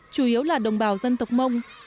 chủ yếu là đồng bào dân tộc mông